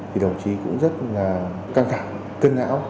thì đồng chí cũng rất là căng thẳng cân não